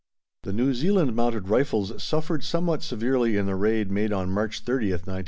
The New Zealand Mounted Rifles suffered somewhat severely in the raid made on March 30th, 1918.